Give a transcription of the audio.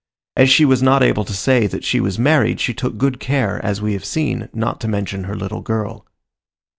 As she was not able to say that she was married she took good care, as we have seen, not to mention her little girl.